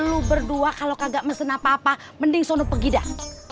lu berdua kalau kagak mesen apa apa mending sono pergi dah